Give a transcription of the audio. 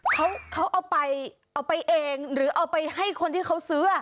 เขาเอาไปเอาไปเองหรือเอาไปให้คนที่เขาซื้อ